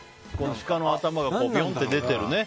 シカの頭がビヨンって出てるね。